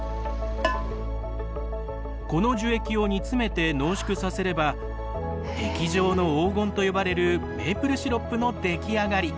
この樹液を煮詰めて濃縮させれば「液状の黄金」と呼ばれるメープルシロップの出来上がり。